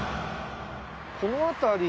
この辺り。